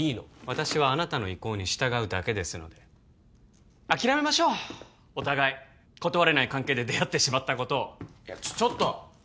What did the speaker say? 私はあなたの意向に従うだけですので諦めましょうお互い断れない関係で出会ってしまったことをちょっと！